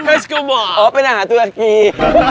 อ๋อเป็นอาหารตัวของกีฟ